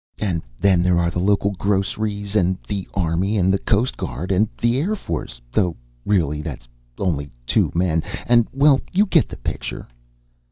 And then there are the local groceries, and the Army, and the Coast Guard, and the Air Force though, really, that's only two men and Well, you get the picture."